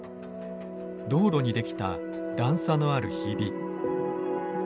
道路に出来た段差のあるひび。